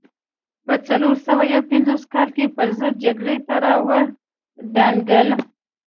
په څلور سوه یو پنځوس کال کې پرضد جګړې ته را ودانګل.